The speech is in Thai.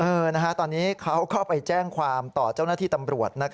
ตอนนี้เขาเข้าไปแจ้งความต่อเจ้าหน้าที่ตำรวจ